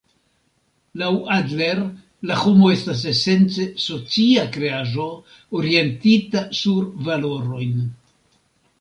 Laŭ Adler la homo estas esence socia kreaĵo, orientita sur valorojn.